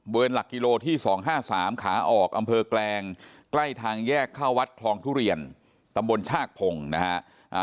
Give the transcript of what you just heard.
หลักกิโลที่๒๕๓ขาออกอำเภอแกลงใกล้ทางแยกเข้าวัดคลองทุเรียนตำบลชากพงศ์นะฮะ